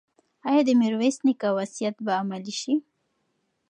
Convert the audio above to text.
ایا د میرویس نیکه وصیت به عملي شي؟